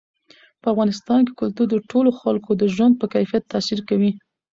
په افغانستان کې کلتور د ټولو خلکو د ژوند په کیفیت تاثیر کوي.